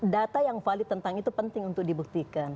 data yang valid tentang itu penting untuk dibuktikan